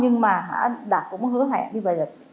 nhưng mà đặt cũng hứa hẹn